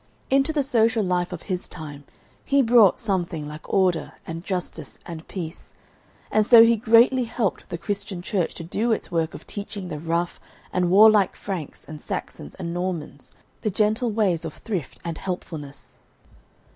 Into the social life of his time he brought something like order and justice and peace, and so he greatly helped the Christian Church to do its work of teaching the rough and warlike Franks and Saxons and Normans the gentle ways of thrift and helpfulness.